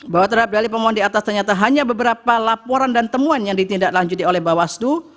bahwa terhadap dalih pemohon di atas ternyata hanya beberapa laporan dan temuan yang ditindaklanjuti oleh bawaslu